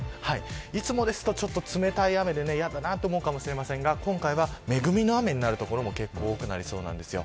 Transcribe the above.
いつもですと、ちょっと冷たい雨で嫌だなと思うかもしれませんが今回は恵みの雨になる所も結構、多くなりそうなんですよ。